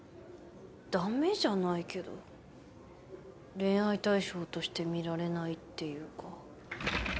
ダメじゃないけど恋愛対象として見られないっていうか。